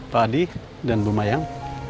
pak adi dan bu mayang